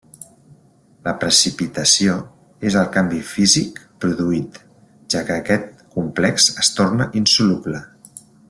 La precipitació és el canvi físic produït, ja que aquest complex es torna insoluble.